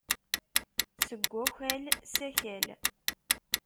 Seg wakal, s akal.